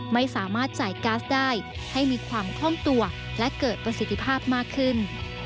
ไม่สามารถจ่ายก๊าซได้ให้มีความคล่องตัวและเกิดประสิทธิภาพมากขึ้น